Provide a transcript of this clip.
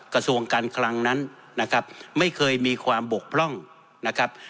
กระทรวงการคลังนั้นนะครับไม่เคยมีความบกพร่องนะครับ